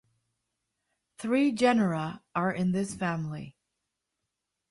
Three genera are in this family.